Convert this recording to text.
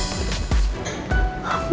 kau mau nyobain yang mana put